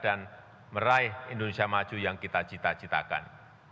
meraih indonesia maju yang kita cita citakan